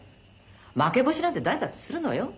負け越しなんて誰だってするのよ。